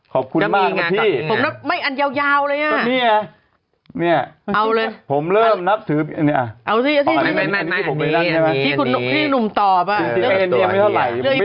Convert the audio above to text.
ขอบคุณมากแล้วกันพี่